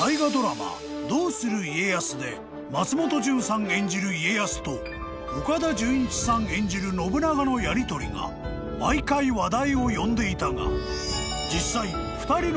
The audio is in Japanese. ［で松本潤さん演じる家康と岡田准一さん演じる信長のやりとりが毎回話題を呼んでいたが］